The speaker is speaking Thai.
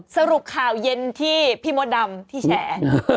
สรุปข่าวเย็นที่พี่มดดำที่แฉ